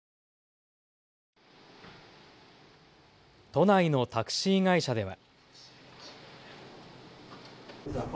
都内のタクシー会社では。